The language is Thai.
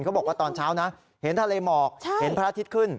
บอกว่าตอนเช้านะเห็นทะเลหมอกเห็นพระอาทิตย์ขึ้น